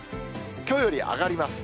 きょうより上がります。